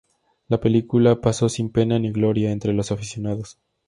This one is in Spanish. La película pasó sin pena ni gloria entre los aficionados.